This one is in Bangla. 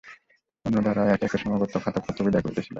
অন্নদা রায় একে একে সমাগত খাতকপত্র বিদায় করিতেছিলেন।